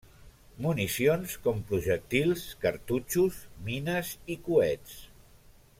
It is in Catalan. Municions com projectils, cartutxos, mines i coets.